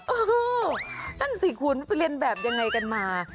เออนั่นสิคุณไปเรียนแบบยังไงกันมา